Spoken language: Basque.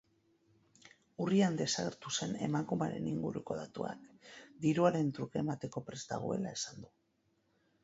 Urrian desagertu zen emakumearen inguruko datuak diruaren truke emateko prest dagoela esan du.